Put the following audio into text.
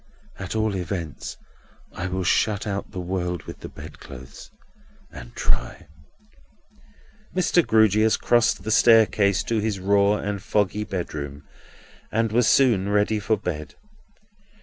At all events, I will shut out the world with the bedclothes, and try." Mr. Grewgious crossed the staircase to his raw and foggy bedroom, and was soon ready for bed.